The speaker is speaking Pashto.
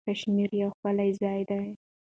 کشمیر یو ښکلی ځای دی.